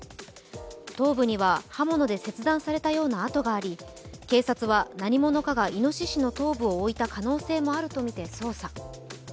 頭部には刃物で切断されたような跡があり警察は、何者かがいのししの頭部を置いた可能性もあるとみて捜査。